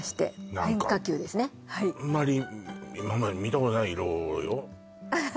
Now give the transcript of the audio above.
何かあんまり今まで見たことない色よ